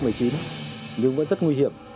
nhưng vẫn rất nguy hiểm